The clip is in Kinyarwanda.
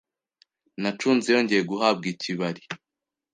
nacunze yongeye guhabwa ikibari,